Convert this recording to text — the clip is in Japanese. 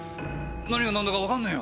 何が何だかわかんねえよ！